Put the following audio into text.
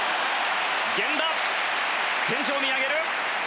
源田天井を見上げる。